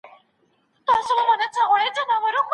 تاسي په خپل موبایل کي د ژبو د زده کړې کوم پیغامونه لرئ؟